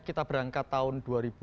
kita berangkat tahun dua ribu sembilan